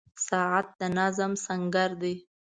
• ساعت د نظم سنګر دی.